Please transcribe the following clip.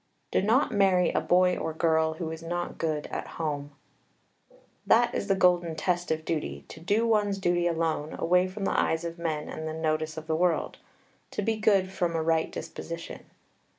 Do not marry a boy or girl who is not good at home. That is the golden test of duty, to do one's duty alone, away from the eyes of men and the notice of the world; to be good from a right disposition.